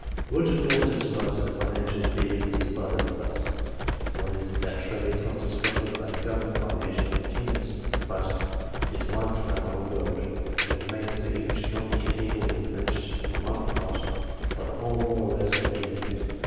Roger North describes the financial theories of his brother, thus :" One is, that trade is not distributed, as government, by nations and kingdoms, but is one through BETWEEN 1660 AND 1865 69 out the whole world ; as the main sea, which cannot be emptied or replenished in one part, but the whole more or less will be affected."